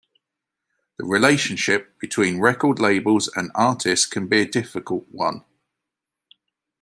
The relationship between record labels and artists can be a difficult one.